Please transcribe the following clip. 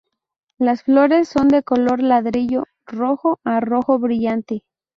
Las flores son de color ladrillo rojo a rojo brillante.